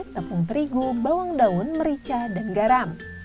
tepung terigu bawang daun merica dan garam